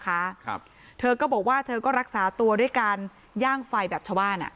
ครับเธอก็บอกว่าเธอก็รักษาตัวด้วยการย่างไฟแบบชาวบ้านอ่ะ